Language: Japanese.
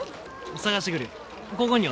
捜してくるよ。